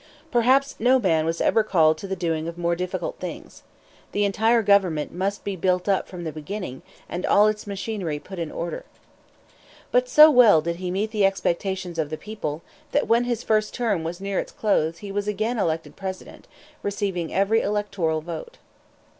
Perhaps no man was ever called to the doing of more difficult things. The entire government must be built up from the beginning, and all its machinery put into order. But so well did he meet the expectations of the people, that when his first term was near its close he was again elected President, receiving every electoral vote.